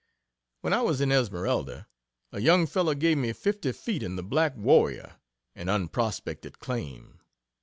When I was in Esmeralda, a young fellow gave me fifty feet in the "Black Warrior" an unprospected claim.